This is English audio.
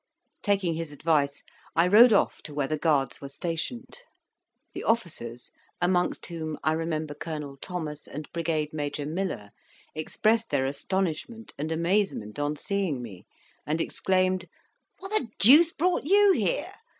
Taking his advice, I rode off to where the Guards were stationed; the officers amongst whom I remember Colonel Thomas and Brigade Major Miller expressed their astonishment and amazement on seeing me, and exclaimed, "What the deuce brought you here?